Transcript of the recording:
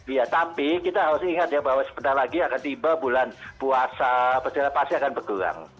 iya tapi kita harus ingat ya bahwa sebentar lagi akan tiba bulan puasa pasti akan bergelang